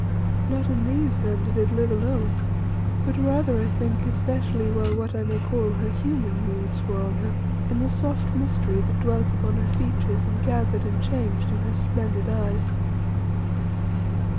Not in these then did it live alone, but rather, I think, especially while what I may call her human moods were on her, in the soft mystery that dwelt upon her features and gathered and changed in her splendid eyes.